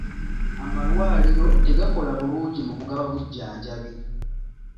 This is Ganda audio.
Amalwaliro tegakola bulungi mu kugaba bujjanjabi.